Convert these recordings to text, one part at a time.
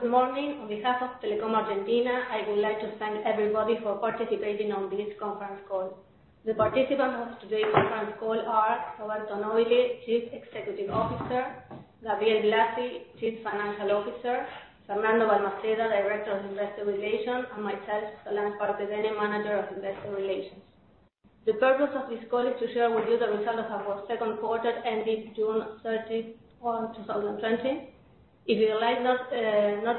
Good morning. On behalf of Telecom Argentina, I would like to thank everybody for participating on this conference call. The participants of today's conference call are Roberto Nobile, Chief Executive Officer, Gabriel Blasi, Chief Financial Officer, Fernando Balmaceda, Director of Investor Relations, and myself, Solange Barthe Dennin, Manager of Investor Relations. The purpose of this call is to share with you the results of our second quarter, ending June 30, 2020. If you would like not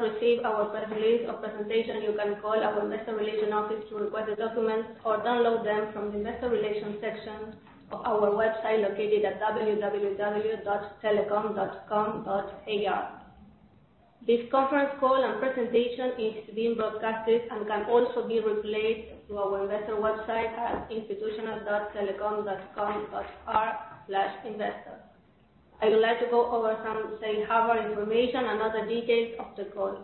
receive our press release or presentation, you can call our Investor Relations office to request the documents or download them from the Investor Relations section of our website, located at www.telecom.com.ar. This conference call and presentation is being broadcasted and can also be replayed through our Investor website at institutional.telecom.com.ar/investor. I would like to go over some safe harbor information and other details of the call.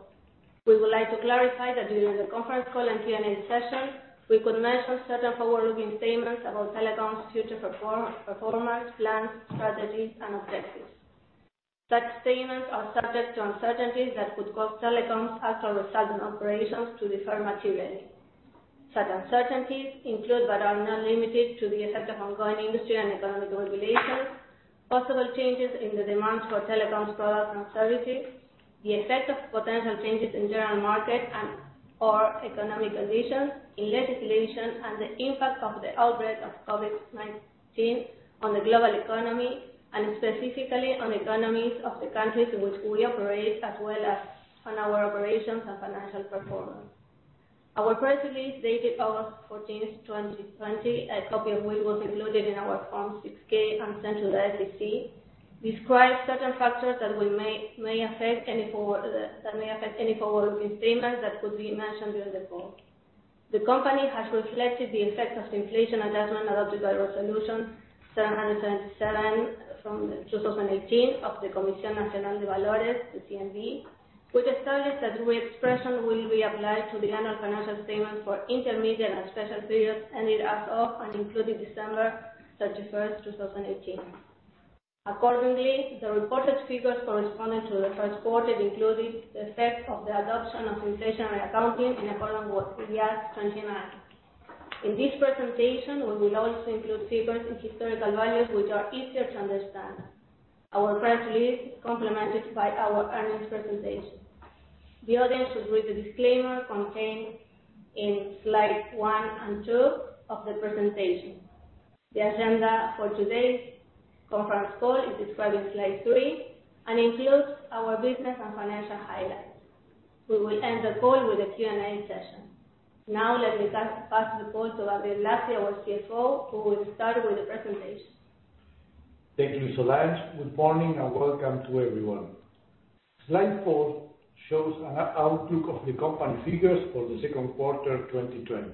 We would like to clarify that during the conference call and Q&A session, we could mention certain forward-looking statements about Telecom's future performance, plans, strategies, and objectives. Such statements are subject to uncertainties that could cause Telecom's actual results and operations to differ materially. Such uncertainties include, but are not limited to, the effect of ongoing industry and economic regulations, possible changes in the demands for Telecom's products and services, the effect of potential changes in general market and/or economic conditions in legislation, and the impact of the outbreak of COVID-19 on the global economy, and specifically on economies of the countries in which we operate, as well as on our operations and financial performance. Our press release, dated August 14th, 2020, a copy of which was included in our Form 6-K and sent to the SEC, describes certain factors that may affect any forward-looking statements that could be mentioned during the call. The company has reflected the effect of the inflation adjustment adopted by Resolution 777/18 of the Comisión Nacional de Valores, the CNV, which establishes that reexpression will be applied to the annual financial statements for intermediate and special periods ending as of and including December 31st, 2018. The reported figures corresponding to the first quarter included the effect of the adoption of inflationary accounting in accordance with IAS 29. In this presentation, we will also include figures in historical values, which are easier to understand. Our press release complemented by our earnings presentation. The audience should read the disclaimer contained in slides one and two of the presentation. The agenda for today's conference call is described in slide three and includes our business and financial highlights. We will end the call with a Q&A session. Let me pass the call to Gabriel Blasi, our CFO, who will start with the presentation. Thank you, Solange. Good morning and welcome to everyone. Slide four shows an outlook of the company figures for the second quarter 2020.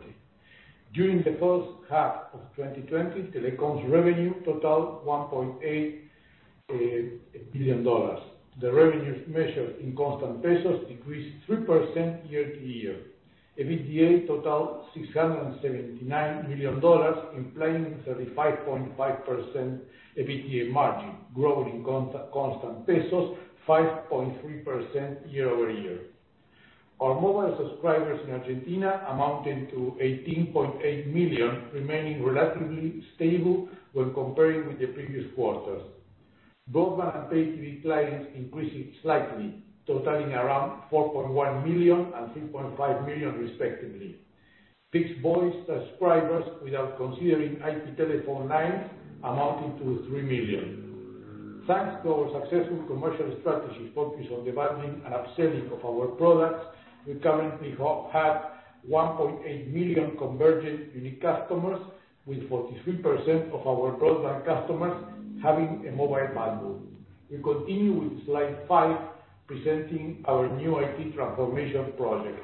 During the first half of 2020, Telecom's revenue totaled $1.8 billion. The revenues measured in constant pesos decreased 3% year-to-year. EBITDA totaled $679 million, implying 35.5% EBITDA margin, growth in constant pesos 5.3% year-over-year. Our mobile subscribers in Argentina amounted to 18.8 million, remaining relatively stable when comparing with the previous quarters. Broadband and pay TV clients increased slightly, totaling around 4.1 million and 3.5 million respectively. Fixed voice subscribers, without considering IP telephone lines, amounted to 3 million. Thanks to our successful commercial strategy focused on the bundling and upselling of our products, we currently have 1.8 million convergent unique customers, with 43% of our broadband customers having a mobile bundle. We continue with slide five, presenting our new IT transformation projects.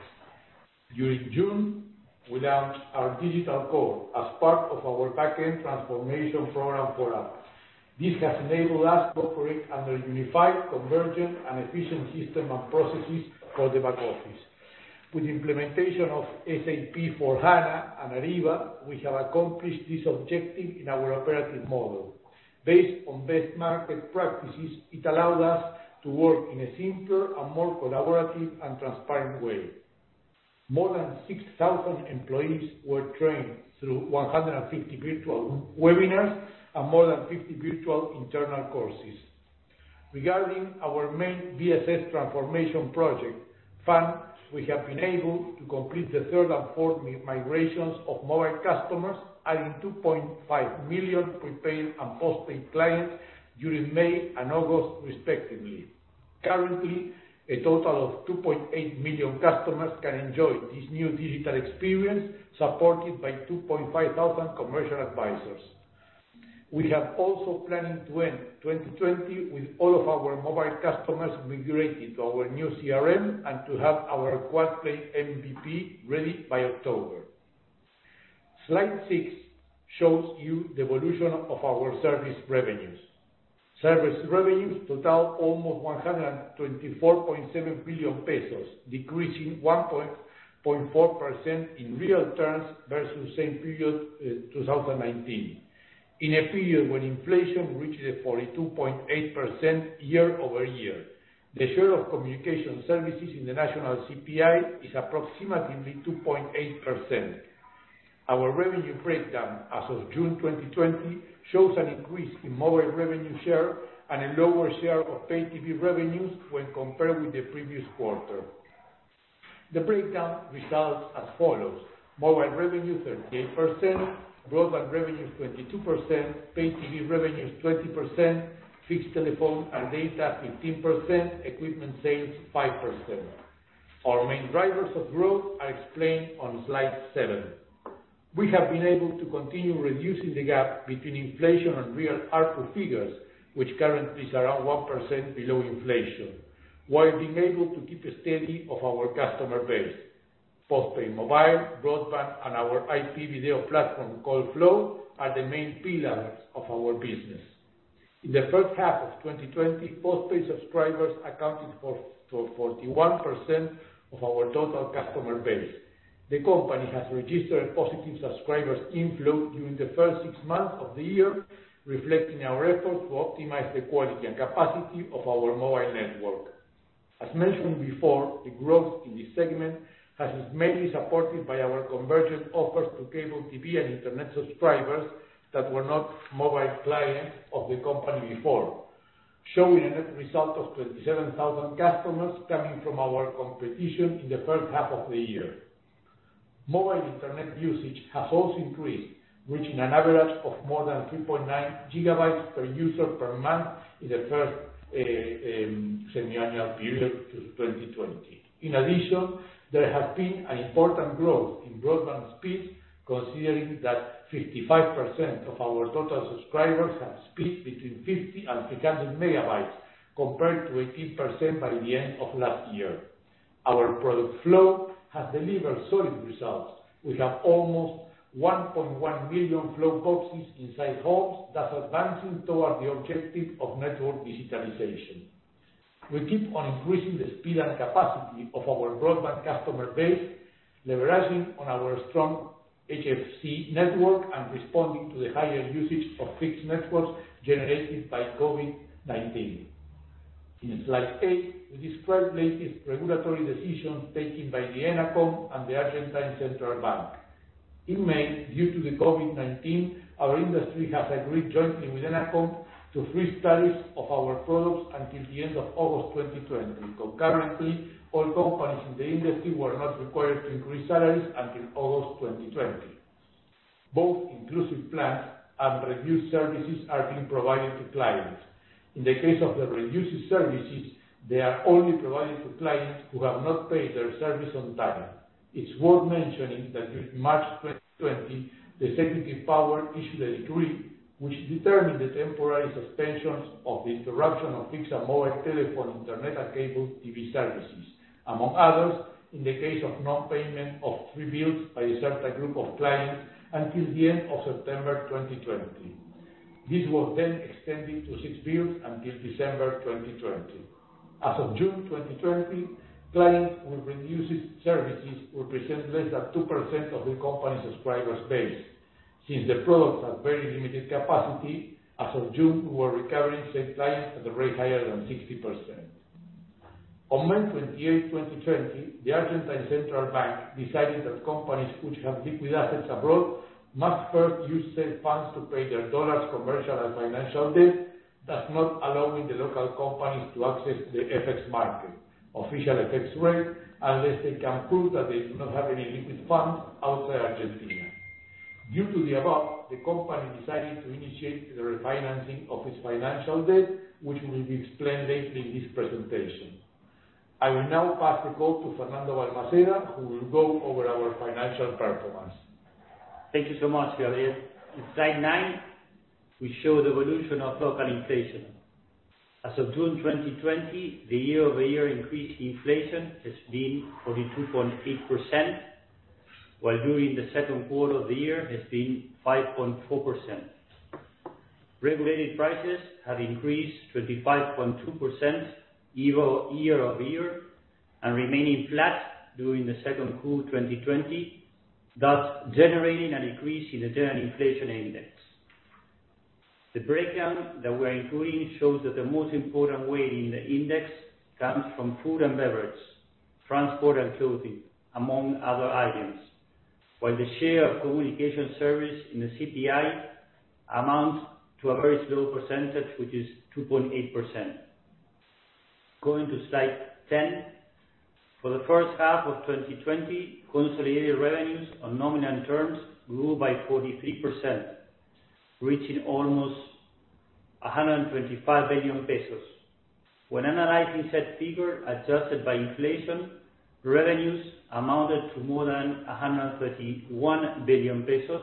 During June, we launched our digital core as part of our backend transformation program for apps. This has enabled us to operate under unified, convergent, and efficient system and processes for the back office. With implementation of SAP S/4HANA and Ariba, we have accomplished this objective in our operating model. Based on best market practices, it allowed us to work in a simpler and more collaborative and transparent way. More than 6,000 employees were trained through 150 virtual webinars and more than 50 virtual internal courses. Regarding our main BSS transformation project, FAN, we have been able to complete the third and fourth migrations of mobile customers, adding 2.5 million prepaid and postpaid clients during May and August respectively. Currently, a total of 2.8 million customers can enjoy this new digital experience, supported by 2,500 commercial advisors. We are also planning to end 2020 with all of our mobile customers migrated to our new CRM and to have our quad play MVP ready by October. Slide six shows you the evolution of our service revenues. Service revenues total almost 124.7 billion pesos, decreasing 1.4% in real terms versus same period 2019, in a period when inflation reached a 42.8% year-over-year. The share of communication services in the national CPI is approximately 2.8%. Our revenue breakdown as of June 2020 shows an increase in mobile revenue share and a lower share of Pay TV revenues when compared with the previous quarter. The breakdown results as follows: mobile revenue 38%, broadband revenues 22%, Pay TV revenues 20%, fixed telephone and data 15%, equipment sales 5%. Our main drivers of growth are explained on slide seven. We have been able to continue reducing the gap between inflation and real ARPU figures, which currently is around 1% below inflation, while being able to keep a steady of our customer base. Postpaid mobile, broadband, and our IP video platform called Flow are the main pillars of our business. In the first half of 2020, postpaid subscribers accounted for 41% of our total customer base. The company has registered positive subscribers inflow during the first six months of the year, reflecting our effort to optimize the quality and capacity of our mobile network. As mentioned before, the growth in this segment has been mainly supported by our convergent offers to cable TV and Internet subscribers that were not mobile clients of the company before, showing a net result of 27,000 customers coming from our competition in the first half of the year. Mobile Internet usage has also increased, reaching an average of more than 3.9 GB per user per month in the first semiannual period to 2020. In addition, there has been an important growth in broadband speed, considering that 55% of our total subscribers have speed between 50 MB and 300 MB, compared to 18% by the end of last year. Our product Flow has delivered solid results. We have almost 1.1 million Flow boxes inside homes that is advancing toward the objective of network digitalization. We keep on increasing the speed and capacity of our broadband customer base, leveraging on our strong HFC network and responding to the higher usage for fixed networks generated by COVID-19. In slide eight, we describe latest regulatory decisions taken by the ENACOM and the Argentine Central Bank. In May, due to the COVID-19, our industry has agreed jointly with ENACOM to freeze tariffs of our products until the end of August 2020. Concurrently, all companies in the industry were not required to increase salaries until August 2020. Both inclusive plans and reduced services are being provided to clients. In the case of the reduced services, they are only provided to clients who have not paid their service on time. It's worth mentioning that during March 2020, the executive power issued a decree, which determined the temporary suspensions of the interruption of fixed mobile telephone, internet, and cable TV services, among others, in the case of non-payment of three bills by a certain group of clients until the end of September 2020. This was then extended to six bills until December 2020. As of June 2020, clients with reduced services represent less than 2% of the company's subscribers base. Since the products have very limited capacity, as of June, we were recovering said clients at a rate higher than 60%. On May 28th, 2020, the Argentine Central Bank decided that companies which have liquid assets abroad must first use said funds to pay their dollars commercial and financial debt, thus not allowing the local companies to access the FX market, official FX rate, unless they can prove that they do not have any liquid funds outside Argentina. Due to the above, the company decided to initiate the refinancing of its financial debt, which will be explained later in this presentation. I will now pass the call to Fernando Balmaceda, who will go over our financial performance. Thank you so much, Gabriel. In slide nine, we show the evolution of local inflation. As of June 2020, the year-over-year increase in inflation has been 42.8%, while during the second quarter of the year has been 5.4%. Regulated prices have increased 25.2% year-over-year and remaining flat during the second quarter 2020, thus generating an increase in the general inflation index. The breakdown that we are including shows that the most important weight in the index comes from food and beverage, transport and clothing, among other items. While the share of communication service in the CPI amounts to a very small percentage, which is 2.8%. Going to slide 10. For the first half of 2020, consolidated revenues on nominal terms grew by 43%, reaching almost 125 billion pesos. When analyzing said figure adjusted by inflation, revenues amounted to more than 131 billion pesos,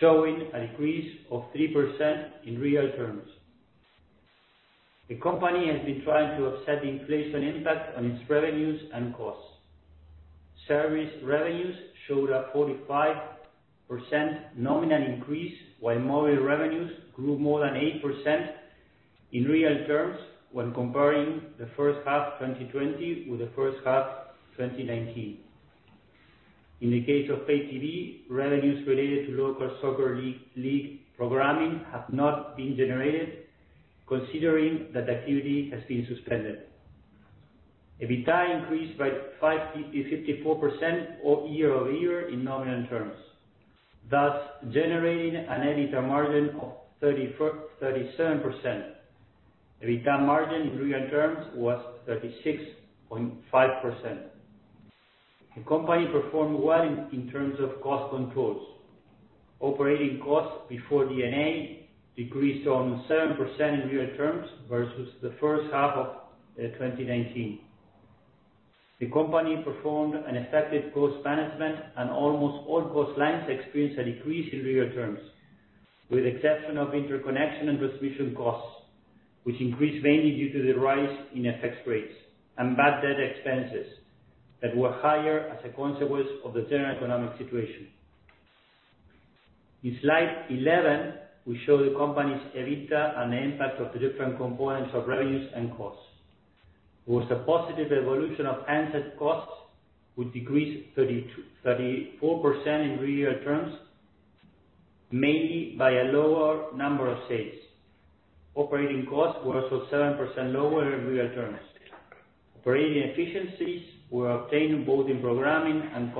showing an increase of 3% in real terms. The company has been trying to offset the inflation impact on its revenues and costs. Service revenues showed a 45% nominal increase, while mobile revenues grew more than 8% in real terms when comparing the first half 2020 with the first half 2019. In the case of Pay TV, revenues related to local soccer league programming have not been generated, considering that activity has been suspended. EBITDA increased by 54% year-over-year in nominal terms, thus generating an EBITDA margin of 37%. EBITDA margin in real terms was 36.5%. The company performed well in terms of cost controls. Operating costs before D&A decreased on 7% in real terms versus the first half of 2019. The company performed an effective cost management, and almost all cost lines experienced a decrease in real terms, with exception of interconnection and distribution costs, which increased mainly due to the rise in FX rates and bad debt expenses that were higher as a consequence of the general economic situation. In slide 11, we show the company's EBITDA and the impact of the different components of revenues and costs. With a positive evolution of handset costs, which decreased 34% in real terms, mainly by a lower number of sales. Operating costs were also 7% lower in real terms. Operating efficiencies were obtained both in programming and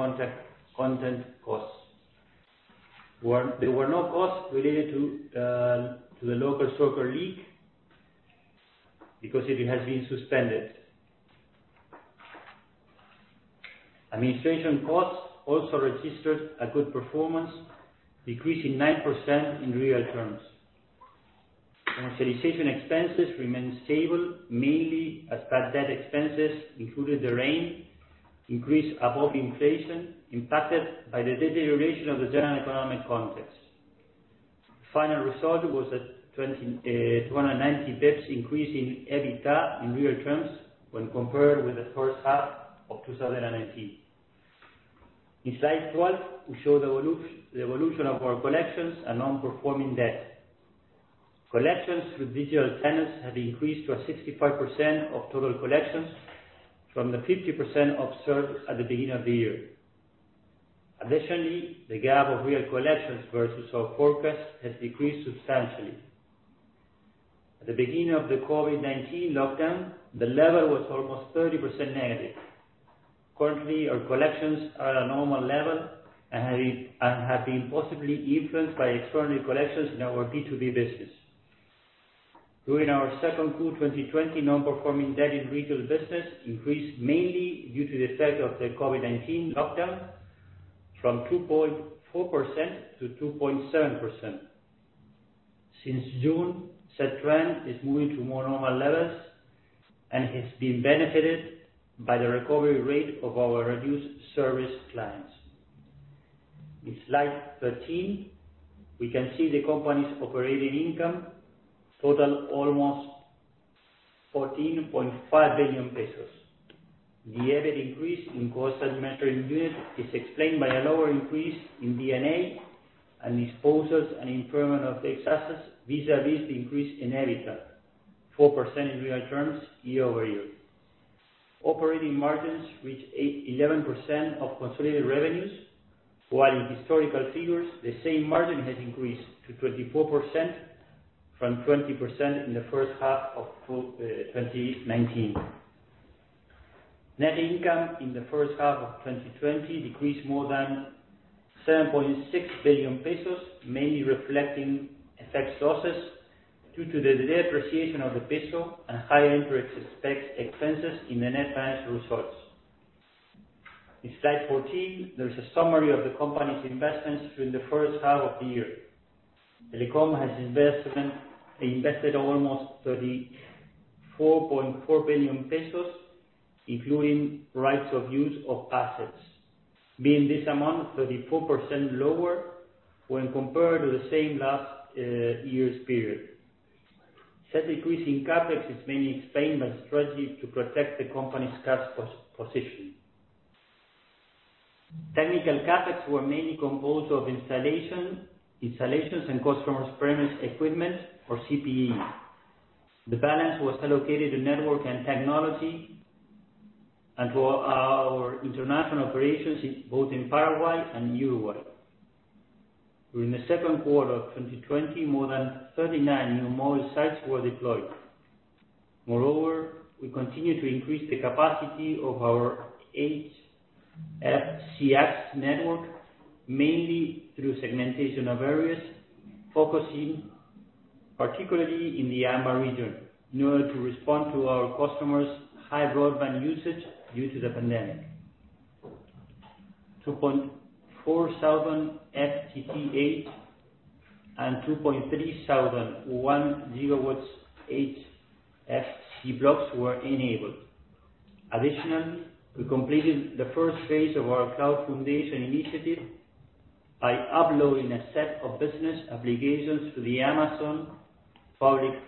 content costs. There were no costs related to the local soccer league because it has been suspended. Administration costs also registered a good performance, decreasing 9% in real terms. Commercialization expenses remained stable, mainly as bad debt expenses, including the provision, increased above inflation impacted by the deterioration of the general economic context. Final result was a 290 basis points increase in EBITDA in real terms when compared with the first half of 2019. In slide 12, we show the evolution of our collections and non-performing debt. Collections through digital channels have increased to 65% of total collections from the 50% observed at the beginning of the year. Additionally, the gap of real collections versus our forecast has decreased substantially. At the beginning of the COVID-19 lockdown, the level was almost -30%. Currently, our collections are at a normal level and have been possibly influenced by extraordinary collections in our B2B business. During our second quarter 2020, non-performing debt in retail business increased mainly due to the effect of the COVID-19 lockdown from 2.4%-2.7%. Since June, said trend is moving to more normal levels and has been benefited by the recovery rate of our reduced service clients. In slide 13, we can see the company's operating income total almost 14.5 billion pesos. The EBITDA increase in cost as measured in unit is explained by a lower increase in D&A and disposals and improvement of tax assets, vis-à-vis the increase in EBITDA 4% in real terms year-over-year. Operating margins reach 11% of consolidated revenues, while in historical figures, the same margin has increased to 24% from 20% in the first half of 2019. Net income in the first half of 2020 decreased more than 7.6 billion pesos, mainly reflecting FX losses due to the depreciation of the peso and higher interest expense in the net finance results. In slide 14, there is a summary of the company's investments during the first half of the year. Telecom has invested almost 34.4 billion pesos, including rights of use of assets, being this amount 34% lower when compared to the same last year's period. Said decrease in CapEx is mainly explained by strategy to protect the company's cash position. Technical CapEx were mainly composed of installations and customer premise equipment or CPE. The balance was allocated to network and technology, and for our international operations, both in Paraguay and Uruguay. During the second quarter of 2020, more than 39 new mobile sites were deployed. Moreover, we continue to increase the capacity of our HFC network, mainly through segmentation of areas, focusing particularly in the AMBA region in order to respond to our customers' high broadband usage due to the pandemic. 2,400 FTTH and 2,301 GW HFC blocks were enabled. Additionally, we completed the phase I of our cloud foundation initiative by uploading a set of business applications to the Amazon Web Services.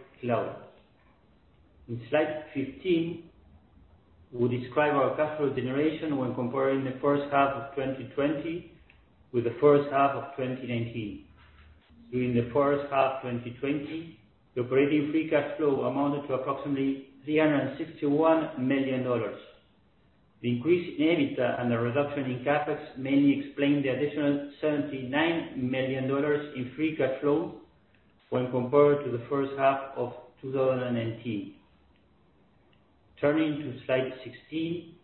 In slide 15, we describe our cash flow generation when comparing the first half of 2020 with the first half of 2019. During the first half 2020, the operating free cash flow amounted to approximately ARS 361 million. The increase in EBITDA and the reduction in CapEx mainly explain the additional ARS 79 million in free cash flow when compared to the first half of 2019. Turning to slide 16,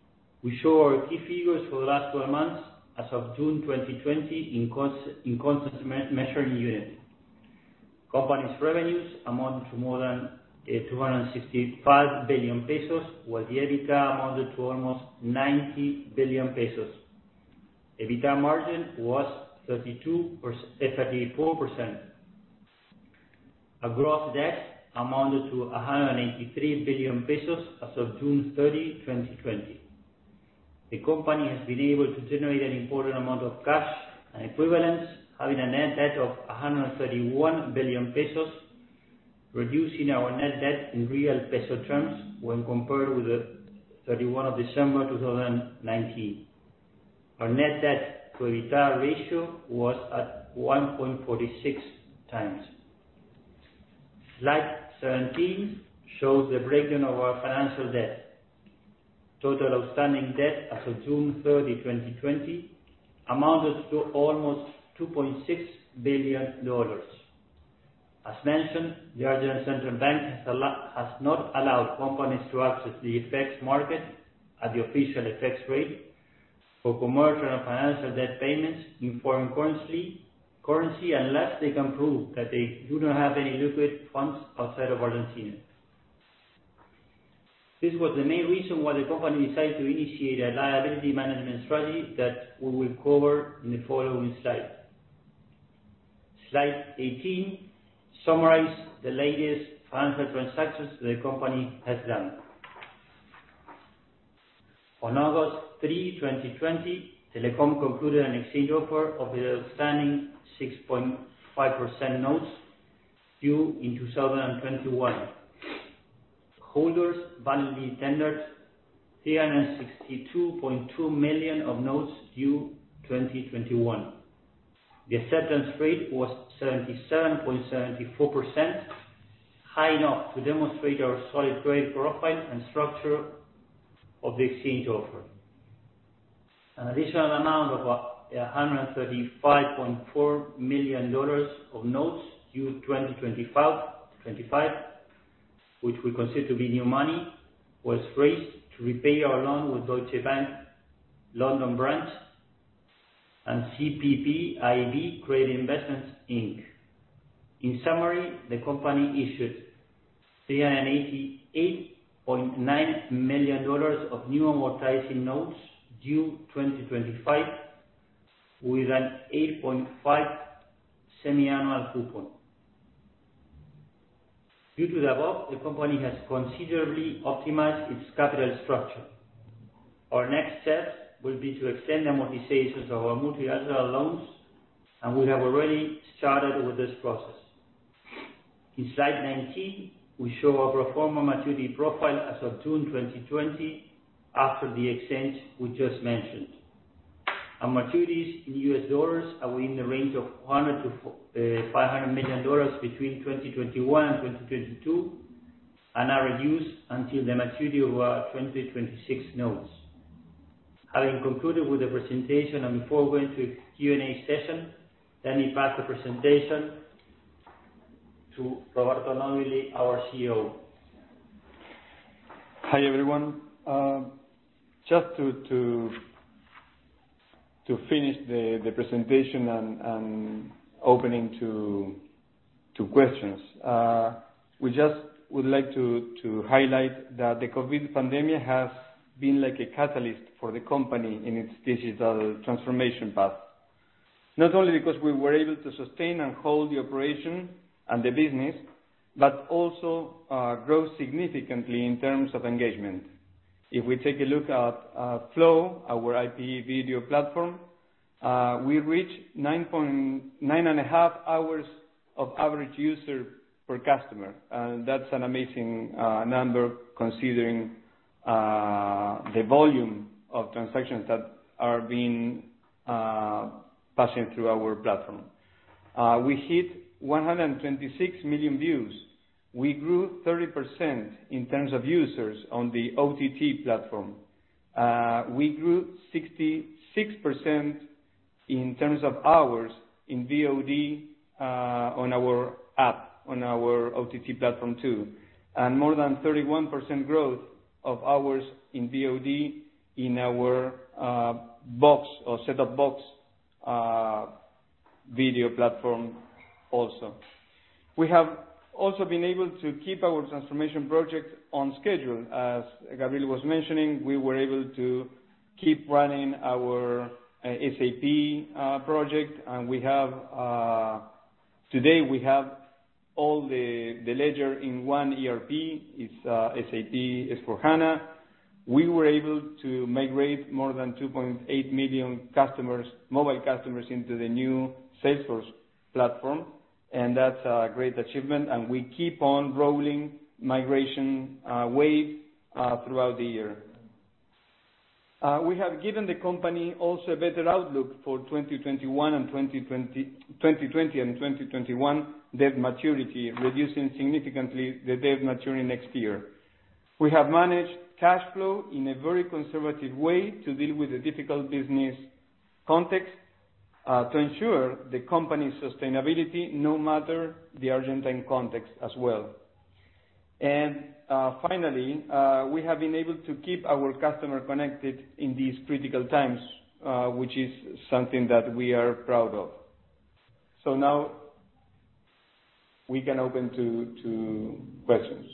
we show our key figures for the last 12 months as of June 2020 in constant measuring unit. Company's revenues amounted to more than 265 billion pesos, while the EBITDA amounted to almost 90 billion pesos. EBITDA margin was 34%. Our gross debt amounted to 183 billion pesos as of June 30, 2020. The company has been able to generate an important amount of cash and equivalents, having a net debt of 131 billion pesos, reducing our net debt in real peso terms when compared with December 31, 2019. Our net debt to EBITDA ratio was at 1.46x. Slide 17 shows the breakdown of our financial debt. Total outstanding debt as of June 30, 2020 amounted to almost $2.6 billion. As mentioned, the Argentinian Central Bank has not allowed companies to access the FX market at the official FX rate for commercial and financial debt payments in foreign currency, unless they can prove that they do not have any liquid funds outside of Argentina. This was the main reason why the company decided to initiate a liability management strategy that we will cover in the following slide. Slide 18 summarize the latest financial transactions the company has done. On August 3, 2020, Telecom concluded an exchange offer of the outstanding 6.5% notes due in 2021. Holders validly tendered 362.2 million of notes due 2021. The acceptance rate was 77.74%, high enough to demonstrate our solid credit profile and structure of the exchange offer. An additional amount of $135.4 million of notes due 2025, which we consider to be new money, was raised to repay our loan with Deutsche Bank, London Branch and CPPIB Credit Investments Inc. In summary, the company issued $388.9 million of new amortizing notes due 2025, with an 8.5 semiannual coupon. Due to the above, the company has considerably optimized its capital structure. Our next step will be to extend the amortizations of our multilateral loans, and we have already started with this process. In slide 19, we show our pro forma maturity profile as of June 2020 after the exchange we just mentioned. Our maturities in U.S. dollars are in the range of $100 million-$500 million between 2021 and 2022, and are reduced until the maturity of our 2026 notes. Having concluded with the presentation and before going to Q&A session, let me pass the presentation to Roberto Nobile, our CEO. Hi, everyone. Just to finish the presentation and open to questions. We just would like to highlight that the COVID-19 pandemic has been like a catalyst for the company in its digital transformation path. Not only because we were able to sustain and hold the operation and the business, but also grow significantly in terms of engagement. If we take a look at Flow, our IP video platform, we reached 9.5 hours of average user per customer. That's an amazing number considering the volume of transactions that are passing through our platform. We hit 126 million views. We grew 30% in terms of users on the OTT platform. We grew 66% in terms of hours in VOD on our app, on our OTT platform too. More than 31% growth of hours in VOD in our box or set-top box video platform also. We have also been able to keep our transformation project on schedule. As Gabriel was mentioning, we were able to keep running our SAP project, and today we have all the ledger in one ERP. It's SAP S/4HANA. We were able to migrate more than 2.8 million mobile customers into the new Salesforce platform, and that's a great achievement. We keep on rolling migration wave throughout the year. We have given the company also a better outlook for 2020 and 2021 debt maturity, reducing significantly the debt maturing next year. We have managed cash flow in a very conservative way to deal with the difficult business context. To ensure the company's sustainability, no matter the Argentine context as well. Finally, we have been able to keep our customer connected in these critical times, which is something that we are proud of. Now we can open to questions.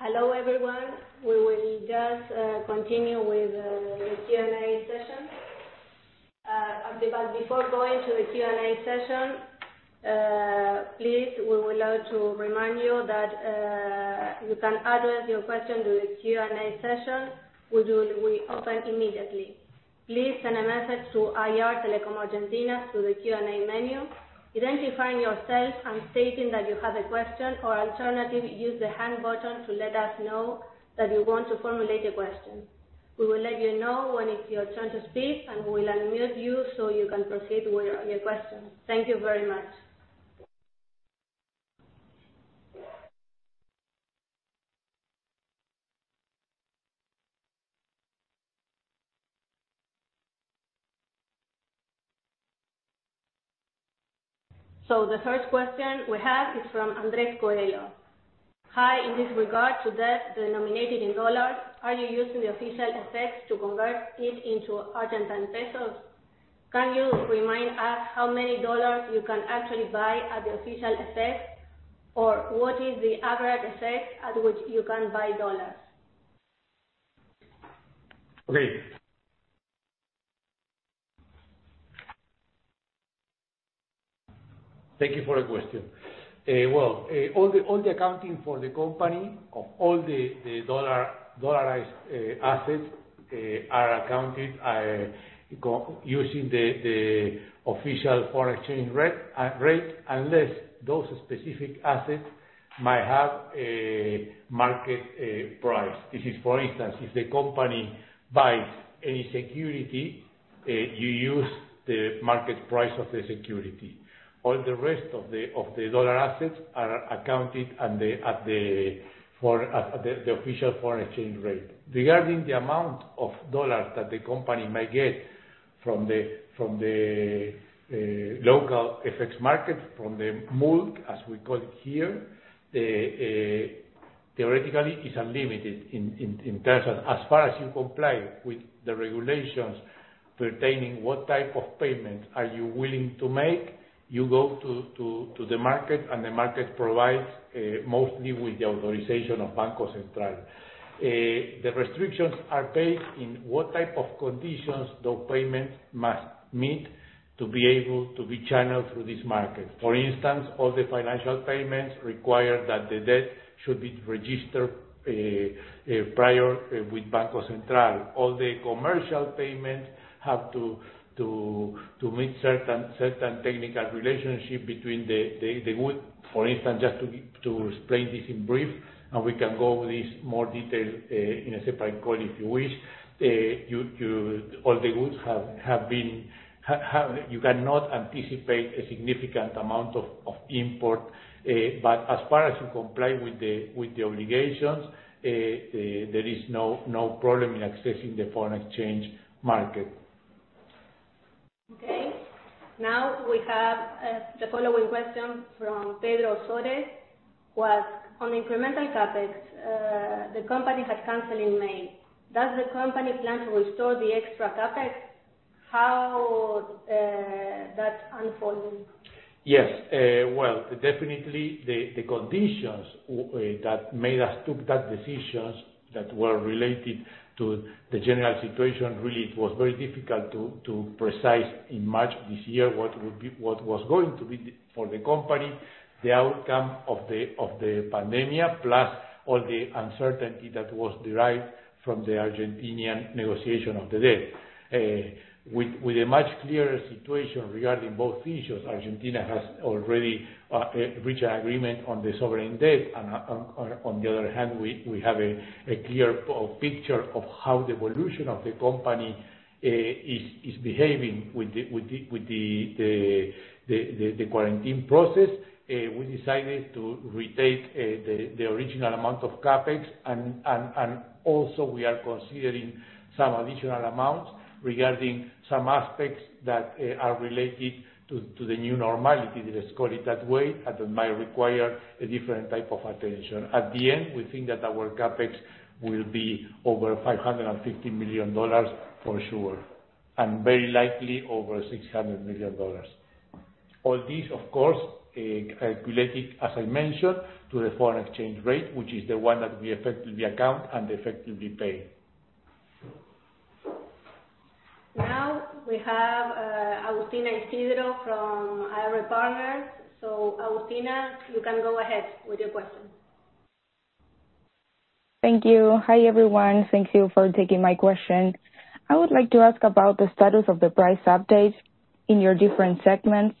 Hello, everyone. We will just continue with the Q&A session. Before going to the Q&A session, please, we would like to remind you that you can address your question to the Q&A session, which we open immediately. Please send a message to IR Telecom Argentina through the Q&A menu, identifying yourself and stating that you have a question or alternatively, use the Hand button to let us know that you want to formulate a question. We will let you know when it's your turn to speak, and we'll unmute you so you can proceed with your question. Thank you very much. The first question we have is from Andres Coello. "Hi, in this regard to debt denominated in dollars, are you using the official FX to convert it into Argentine pesos? Can you remind us how many dollars you can actually buy at the official FX? What is the accurate effect at which you can buy dollars? Okay. Thank you for the question. Well, all the accounting for the company of all the dollarized assets are accounted using the official foreign exchange rate, unless those specific assets might have a market price. For instance, if the company buys any security, you use the market price of the security. All the rest of the dollar assets are accounted at the official foreign exchange rate. Regarding the amount of dollars that the company may get from the local FX market, from the MULC, as we call it here, theoretically, it is unlimited in terms of, as far as you comply with the regulations pertaining what type of payment are you willing to make, you go to the market, and the market provides mostly with the authorization of Banco Central. The restrictions are based on what type of conditions the payment must meet to be able to be channeled through this market. For instance, all the financial payments require that the debt should be registered prior with Banco Central. All the commercial payments have to meet certain technical relationship between the goods. For instance, just to explain this in brief, and we can go over this in more detail in a separate call if you wish. You cannot anticipate a significant amount of import. As far as you comply with the obligations, there is no problem in accessing the foreign exchange market. Okay. We have the following question from Pedro Soares, who asks, "On incremental CapEx, the company had canceled in May. Does the company plan to restore the extra CapEx? How is that unfolding? Yes. Well, definitely the conditions that made us take that decisions that were related to the general situation, really, it was very difficult to precise in March this year what was going to be for the company, the outcome of the pandemia, plus all the uncertainty that was derived from the Argentinian negotiation of the debt. With a much clearer situation regarding both issues, Argentina has already reached an agreement on the sovereign debt. On the other hand, we have a clear picture of how the evolution of the company is behaving with the quarantine process. We decided to retake the original amount of CapEx, and also we are considering some additional amounts regarding some aspects that are related to the new normality, let's call it that way, that might require a different type of attention. At the end, we think that our CapEx will be over $550 million for sure, and very likely over $600 million. All this, of course, calculated, as I mentioned, to the foreign exchange rate, which is the one that we effectively account and effectively pay. We have Agustina Isidro from AR Partners. Agustina, you can go ahead with your question. Thank you. Hi, everyone. Thank you for taking my question. I would like to ask about the status of the price update in your different segments.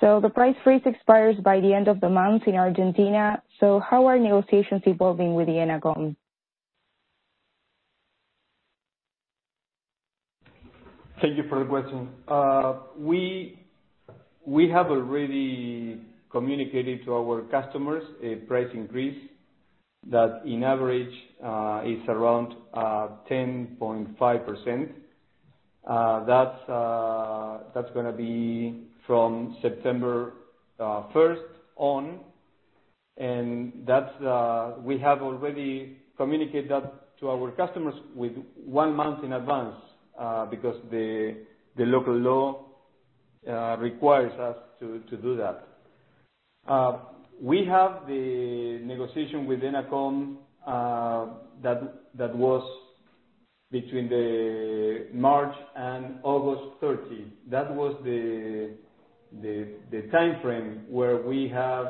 The price freeze expires by the end of the month in Argentina. How are negotiations evolving with ENACOM? Thank you for the question. We have already communicated to our customers a price increase that in average is around 10.5%. That's going to be from September 1st on, and we have already communicated that to our customers with one month in advance because the local law requires us to do that. We have the negotiation with ENACOM that was between the March and August 30. That was the timeframe where we have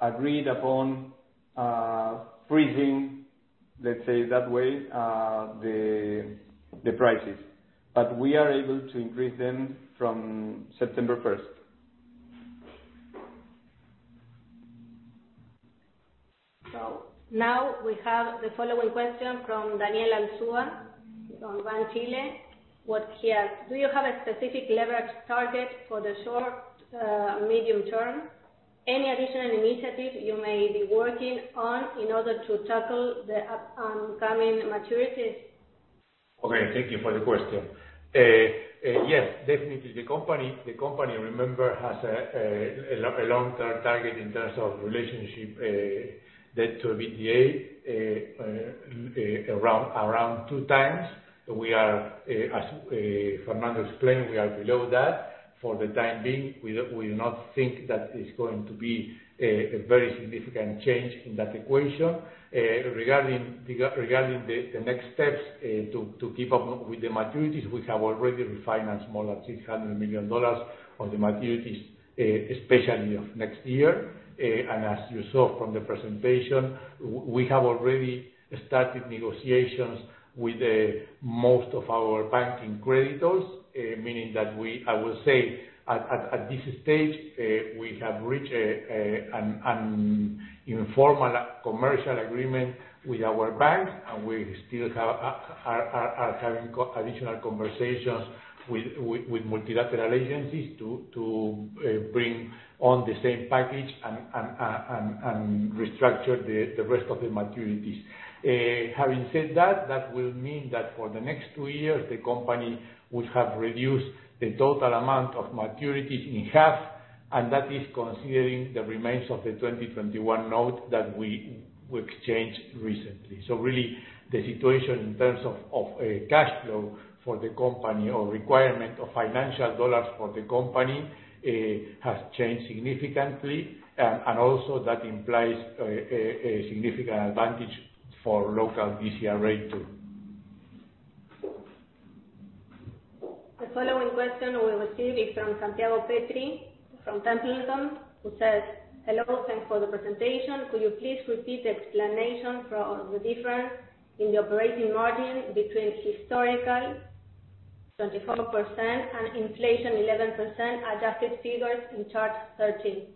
agreed upon freezing, let's say it that way, the prices. We are able to increase them from September 1st. Now, we have the following question from Daniel Aljure, from Banchile, who asks, "Do you have a specific leverage target for the short, medium term? Any additional initiative you may be working on in order to tackle the upcoming maturities? Okay, thank you for the question. Yes, definitely. The company, remember, has a long-term target in terms of relationship debt to EBITDA around 2x. As Fernando explained, we are below that. For the time being, we do not think that it's going to be a very significant change in that equation. Regarding the next steps to keep up with the maturities, we have already refinanced more than $600 million of the maturities, especially of next year. As you saw from the presentation, we have already started negotiations with most of our banking creditors. Meaning that we, I will say at this stage, we have reached an informal commercial agreement with our banks, and we still are having additional conversations with multilateral agencies to bring on the same package and restructure the rest of the maturities. Having said that will mean that for the next two years, the company would have reduced the total amount of maturities in half, and that is considering the remains of the 2021 note that we exchanged recently. Really, the situation in terms of cash flow for the company or requirement of financial dollars for the company, has changed significantly, and also that implies a significant advantage for local interest rate, too. The following question we receive is from Santiago Petri from Templeton, who says, "Hello, thanks for the presentation. Could you please repeat the explanation for the difference in the operating margin between historical 24% and inflation 11% adjusted figures in chart 13?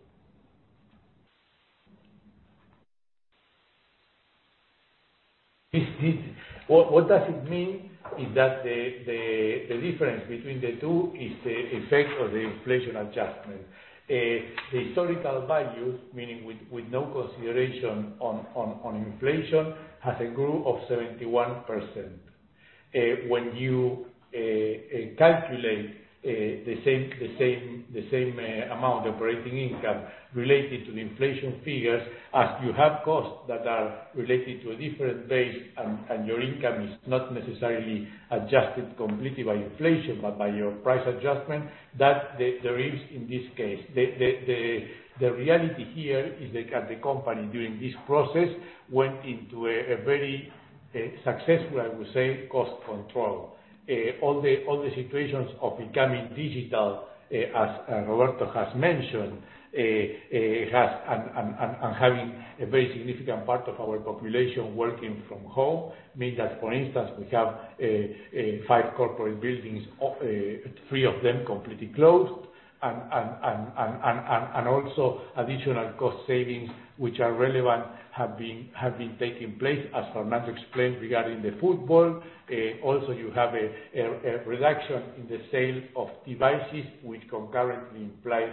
What does it mean is that the difference between the two is the effect of the inflation adjustment. Historical values, meaning with no consideration on inflation, has a growth of 71%. When you calculate the same amount operating income related to the inflation figures, as you have costs that are related to a different base your income is not necessarily adjusted completely by inflation, but by your price adjustment that there is in this case. The reality here is that the company, during this process, went into a very successful, I would say, cost control. All the situations of becoming digital, as Roberto has mentioned, and having a very significant part of our population working from home means that, for instance, we have five corporate buildings, three of them completely closed. Also additional cost savings which are relevant have been taking place as Fernando explained regarding the football. You have a reduction in the sale of devices, which concurrently implies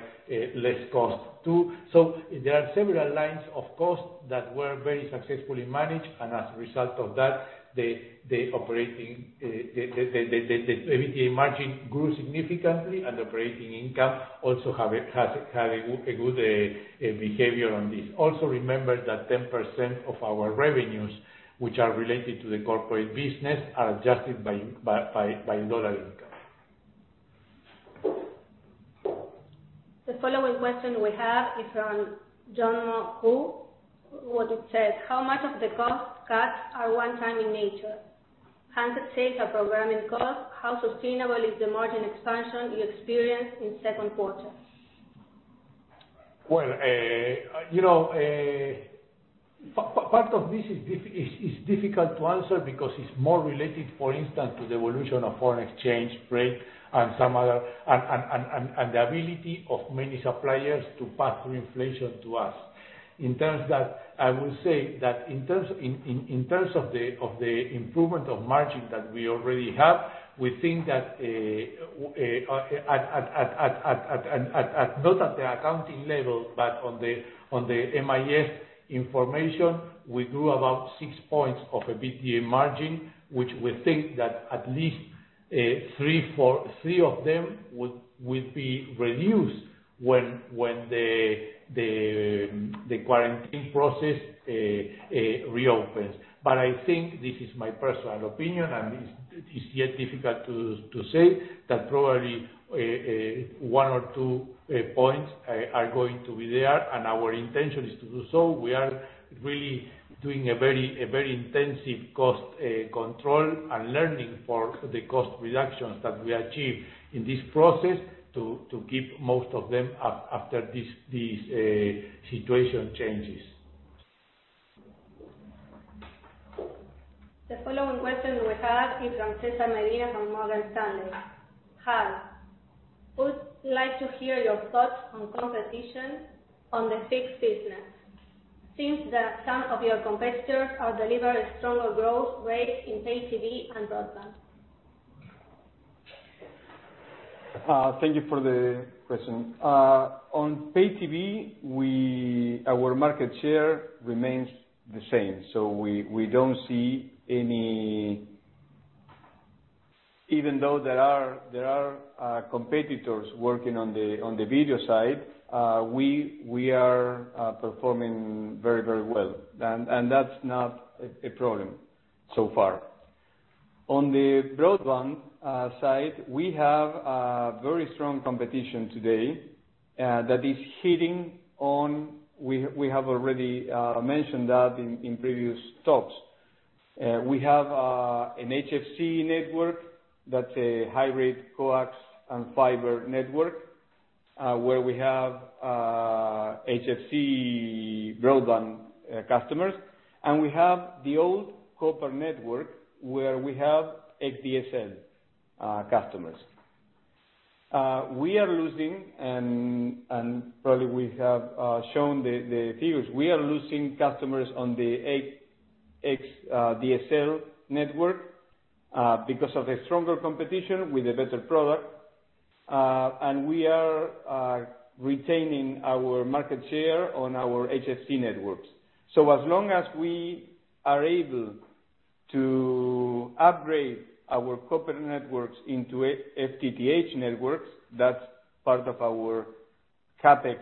less cost too. There are several lines of cost that were very successfully managed, and as a result of that, the EBITDA margin grew significantly, and operating income also had a good behavior on this. Remember that 10% of our revenues, which are related to the corporate business, are adjusted by dollar income. The following question we have is from John Maku. What it says, "How much of the cost cuts are one-time in nature? How sustainable is the margin expansion you experienced in second quarter? Part of this is difficult to answer because it's more related, for instance, to the evolution of foreign exchange rate and the ability of many suppliers to pass through inflation to us. I will say that in terms of the improvement of margin that we already have, we think that, not at the accounting level, but on the MIS information, we grew about 6 points of EBITDA margin, which we think that at least three of them would be reduced when the quarantine process reopens. I think, this is my personal opinion, and it's yet difficult to say, that probably 1 or 2 points are going to be there, and our intention is to do so. We are really doing a very intensive cost control and learning for the cost reductions that we achieve in this process to keep most of them up after this situation changes. The following question we have is from Cesar Medina from Morgan Stanley. Hi. Would like to hear your thoughts on competition on the fixed business since some of your competitors are delivering stronger growth rates in pay TV and broadband. Thank you for the question. On pay TV, our market share remains the same. Even though there are competitors working on the video side, we are performing very well. That's not a problem so far. On the broadband side, we have a very strong competition today. We have already mentioned that in previous talks. We have an HFC network. That's a hybrid coax and fiber network, where we have HFC broadband customers. We have the old copper network, where we have xDSL customers. We are losing, and probably we have shown the figures. We are losing customers on the xDSL network because of a stronger competition with a better product. We are retaining our market share on our HFC networks. As long as we are able to upgrade our copper networks into FTTH networks, that's part of our CapEx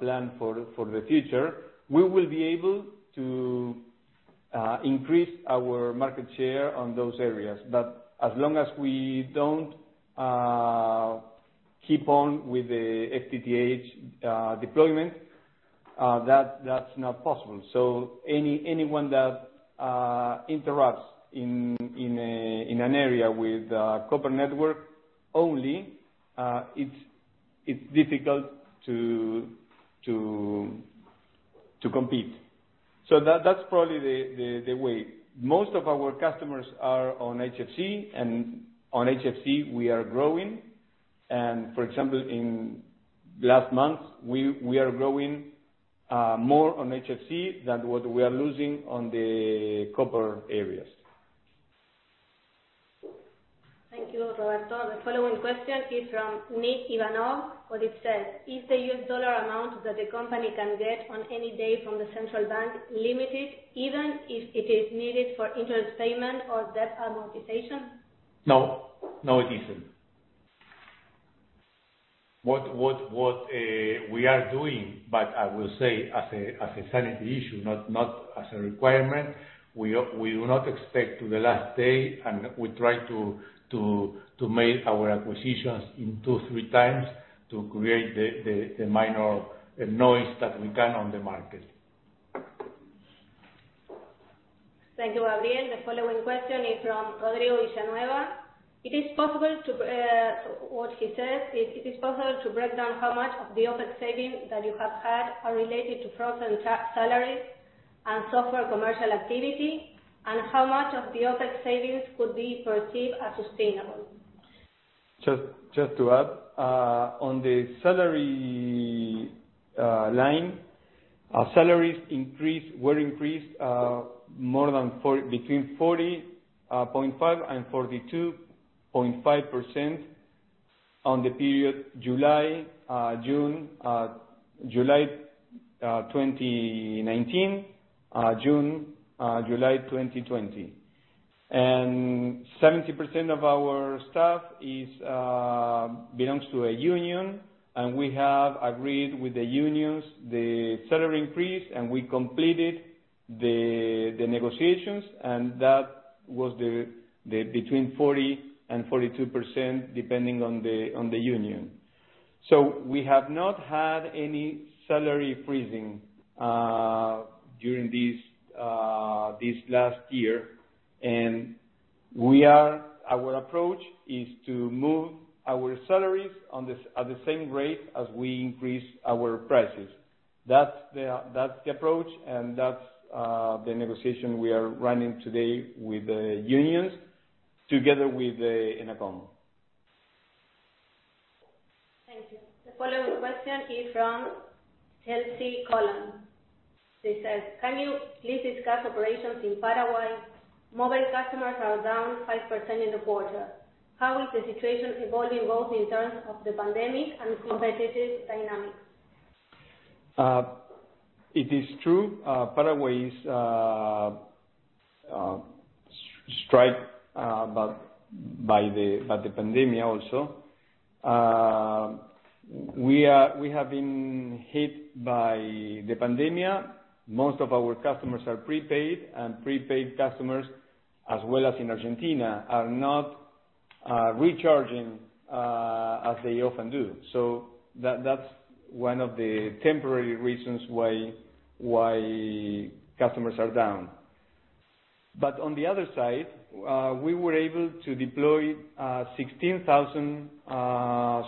plan for the future, we will be able to increase our market share on those areas. As long as we don't keep on with the FTTH deployment, that's not possible. Anyone that interrupts in an area with a copper network only, it's difficult to compete. That's probably the way. Most of our customers are on HFC, and on HFC, we are growing. For example, in last month, we are growing more on HFC than what we are losing on the copper areas. Thank you, Roberto. The following question is from Nick Ivanov. What it says, "Is the U.S. dollar amount that the company can get on any day from the Central Bank limited, even if it is needed for interest payment or debt amortization? No. No, it isn't. What we are doing, I will say as a sanity issue, not as a requirement, we will not expect to the last day, and we try to make our acquisitions in two, three times to create the minor noise that we can on the market. Thank you, Gabriel. The following question is from Rodrigo Villanueva. What he says is, "Is it possible to break down how much of the OpEx savings that you have had are related to frozen salaries and software commercial activity, and how much of the OpEx savings could be perceived as sustainable? Just to add, on the salary line, our salaries were increased between 40.5% and 42.5% on the period July 2019, June, July 2020. 70% of our staff belongs to a union, and we have agreed with the unions the salary increase, and we completed the negotiations, and that was between 40% and 42%, depending on the union. We have not had any salary freezing during this last year. Our approach is to move our salaries at the same rate as we increase our prices. That's the approach, and that's the negotiation we are running today with the unions together with ENACOM. Thank you. The following question is from Chelsea Colon. She says, "Can you please discuss operations in Paraguay? Mobile customers are down 5% in the quarter. How is the situation evolving, both in terms of the pandemic and competitive dynamics? It is true. Paraguay is struck by the pandemic also. We have been hit by the pandemic. Most of our customers are prepaid, and prepaid customers, as well as in Argentina, are not recharging as they often do. That's one of the temporary reasons why customers are down. On the other side, we were able to deploy 16,000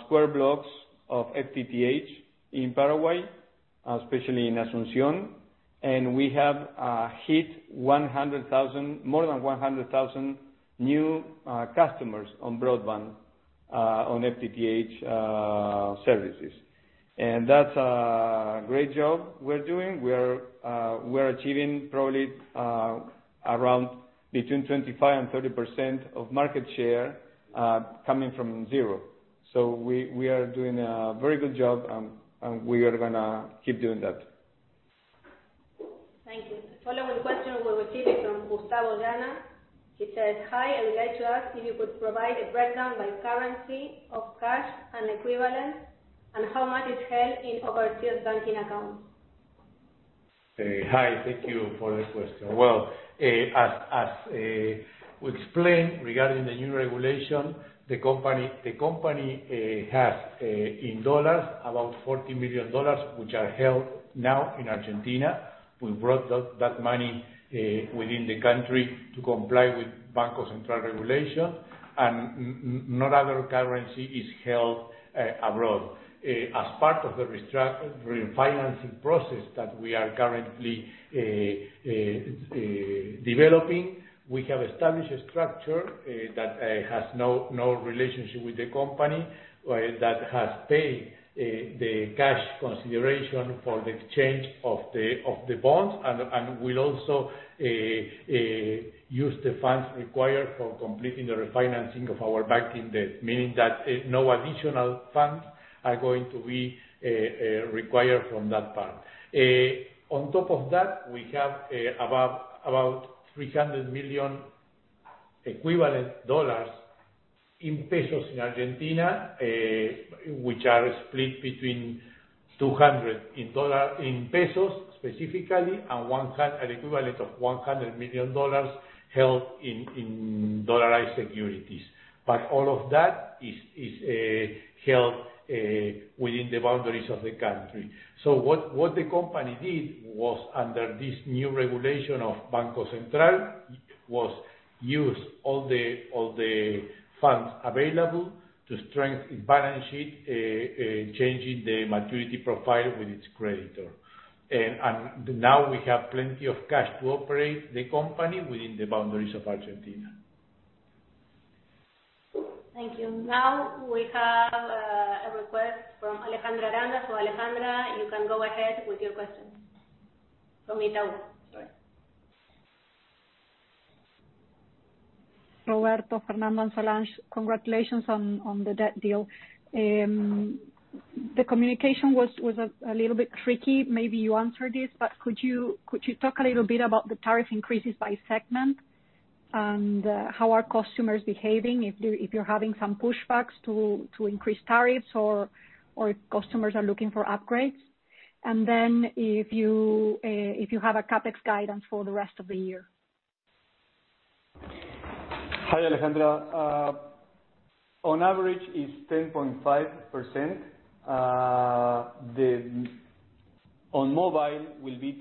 square blocks of FTTH in Paraguay, especially in Asunción, and we have hit more than 100,000 new customers on broadband on FTTH services. That's a great job we're doing. We're achieving probably around between 25% and 30% of market share coming from zero. We are doing a very good job, and we are going to keep doing that. Thank you. The following question we received is from Gustavo Lana. He says, "Hi. I would like to ask if you could provide a breakdown by currency of cash and equivalent, and how much is held in overseas banking accounts. Hi. Thank you for the question. Well, as we explained regarding the new regulation, the company has, in dollars, about $40 million, which are held now in Argentina. We brought that money within the country to comply with Banco Central regulation. No other currency is held abroad. As part of the refinancing process that we are currently developing, we have established a structure that has no relationship with the company, that has paid the cash consideration for the exchange of the bonds, and will also use the funds required for completing the refinancing of our banking debt, meaning that no additional funds are going to be required from that part. On top of that, we have about $300 million equivalent dollars in pesos in Argentina, which are split between $200 million in pesos specifically, and an equivalent of $100 million held in dollarized securities. All of that is held within the boundaries of the country. What the company did was under this new regulation of Banco Central, was use all the funds available to strengthen balance sheet, changing the maturity profile with its creditor. Now we have plenty of cash to operate the company within the boundaries of Argentina. Thank you. We have a request from Alejandra Aranda. Alejandra, you can go ahead with your question. From Itaú. Roberto, Fernando, and Solange, congratulations on the debt deal. The communication was a little bit tricky. Maybe you answered this, could you talk a little bit about the tariff increases by segment? How are customers behaving? If you're having some pushbacks to increase tariffs or if customers are looking for upgrades, and then if you have a CapEx guidance for the rest of the year. Hi, Alejandra. On average, it's 10.5%. On mobile, will be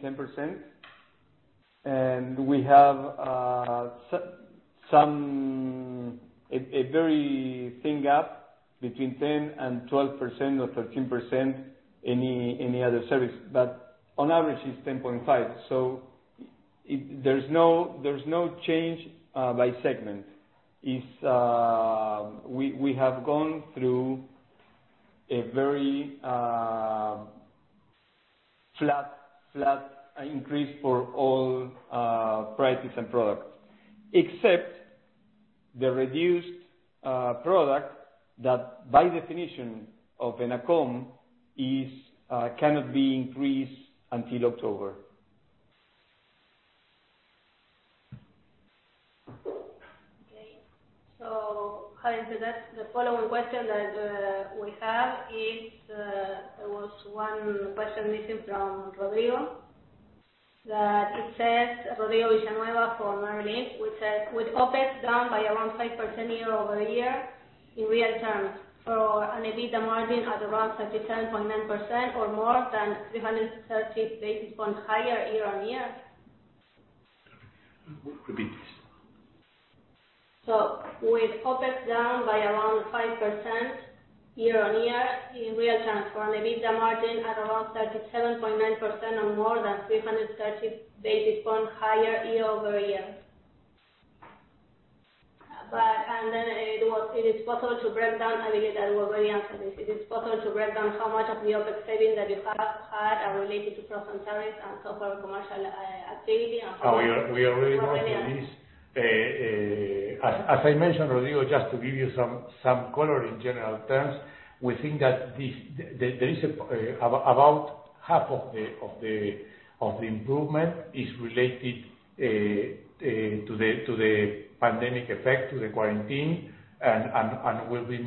10%. We have a very thin gap between 10% and 12% or 13% any other service. On average, it's 10.5%. There's no change by segment. We have gone through a very flat increase for all prices and products, except the reduced product that, by definition of ENACOM, cannot be increased until October. Okay. The following question that we have is, there was one question missing from Rodrigo. It says, Rodrigo Villanueva from Merrill Lynch, which says, "With OpEx down by around 5% year-over-year in real terms for an EBITDA margin at around 37.9% or more than 330 basis points higher year-on-year. Repeat please. With OpEx down by around 5% year-on-year in real terms, for an EBITDA margin at around 37.9% or more than 330 basis points higher year-over-year. It is possible to break down, I believe that we've already answered this. Is it possible to break down how much of the OpEx savings that you have had are related to products and tariffs and so far commercial activity? We already mentioned this. As I mentioned, Rodrigo, just to give you some color in general terms, we think that about half of the improvement is related to the pandemic effect, to the quarantine, and will be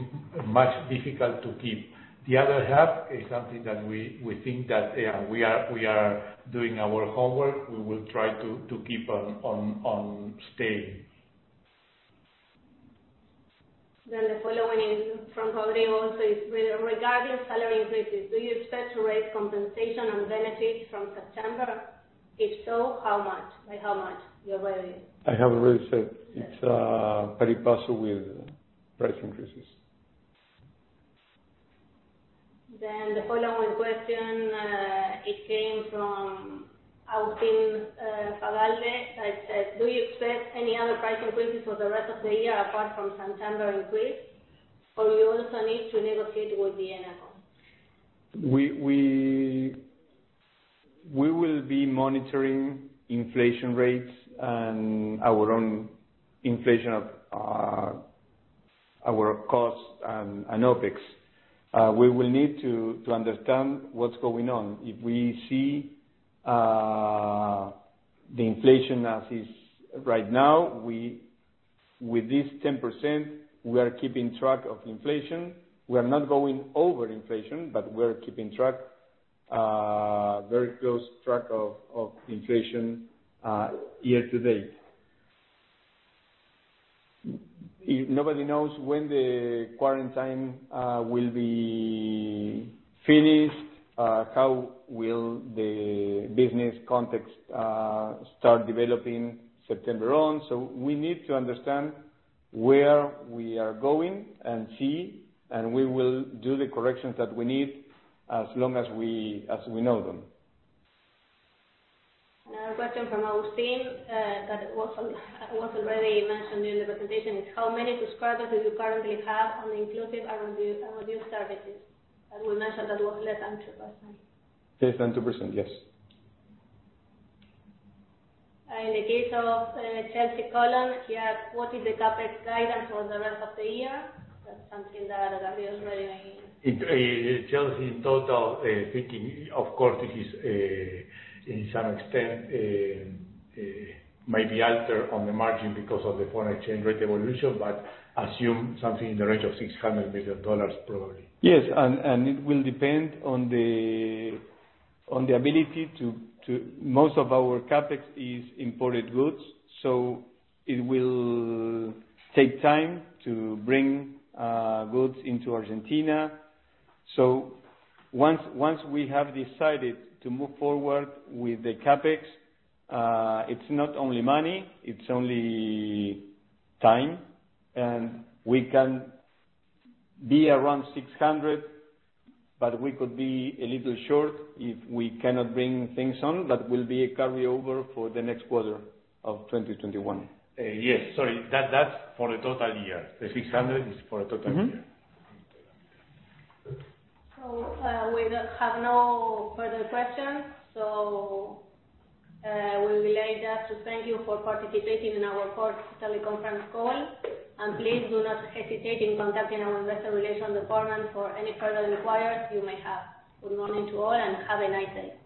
much difficult to keep. The other half is something that we think that we are doing our homework. We will try to keep on staying. The following is from Rodrigo, "Regarding salary increases, do you expect to raise compensation and benefits from September? If so, how much? By how much? I have already said it's very possible with price increases. The following question, it came from Austin Favale, that says, "Do you expect any other price increases for the rest of the year apart from September increase, or you also need to negotiate with the ENACOM? We will be monitoring inflation rates and our own inflation of our costs and OpEx. We will need to understand what's going on. If we see the inflation as is right now, with this 10%, we are keeping track of inflation. We are not going over inflation, but we're keeping track, a very close track of inflation year to date. Nobody knows when the quarantine will be finished, how will the business context start developing September on. We need to understand where we are going and see, and we will do the corrections that we need as long as we know them. Another question from Austin, that was already mentioned during the presentation. How many subscribers do you currently have on the inclusive and reduced services? We mentioned that was less than 2%. Less than 2%, yes. In the case of Chelsea Colon, she asked, "What is the CapEx guidance for the rest of the year? Chelsea, in total, thinking of course, this is to some extent, might be altered on the margin because of the foreign exchange rate evolution, but assume something in the range of ARS 600 million probably. Yes, it will depend on the ability to Most of our CapEx is imported goods, so it will take time to bring goods into Argentina. Once we have decided to move forward with the CapEx, it's not only money, it's only time, and we can be around 600, but we could be a little short if we cannot bring things on. That will be a carryover for the next quarter of 2021. Yes. Sorry, that's for the total year. The 600 is for the total year. We have no further questions, so we would like just to thank you for participating in our fourth teleconference call, and please do not hesitate in contacting our Investor Relations department for any further inquiries you may have. Good morning to all, and have a nice day.